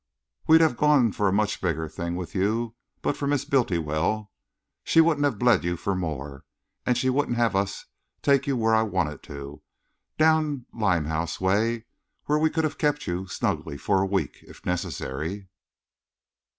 "We'd have gone for a much bigger thing with you, but for Miss Bultiwell. She wouldn't have you bled for more, and she wouldn't have us take you where I wanted to, down Limehouse way, where we could have kept you snugly for a week, if necessary."